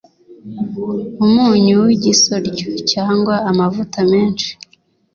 umunyu w’igisoryo cyangwa amavuta menshi